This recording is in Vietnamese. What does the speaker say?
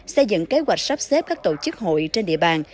xây dựng kế hoạch sắp xếp các tổ chức hội trên địa bàn